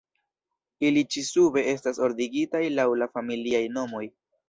Ili ĉi-sube estas ordigitaj laŭ la familiaj nomoj.